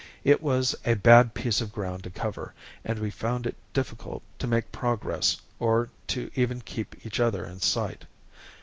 It was a bad piece of ground to cover and we found it difficult to make progress or to even keep each other in sight.